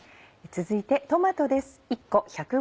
続いてトマトです。